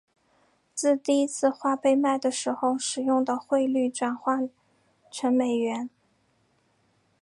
自第一次画被卖的时候使用的汇率转换成美元。